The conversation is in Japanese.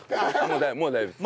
もう大丈夫です。